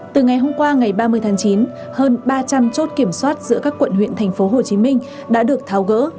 từ ngày hôm qua ngày ba mươi tháng chín hơn ba trăm linh chốt kiểm soát giữa các quận huyện tp hcm đã được tháo gỡ